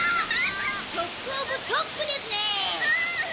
トップオブトップですね！